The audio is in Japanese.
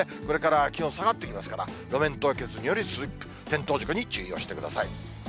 これから気温下がってきますから、路面凍結によるスリップ、転倒事故に注意をしてください。